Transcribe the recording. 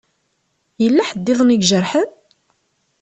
Yella ḥedd-iḍen ijerḥen?